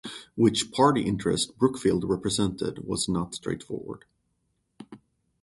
Which party interest Brookfield represented was not straightforward.